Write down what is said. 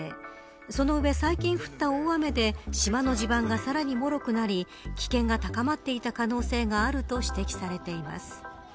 その上、最近降った大雨で島の地盤がさらにもろくなり危険が高まっていた可能性があると指摘されています。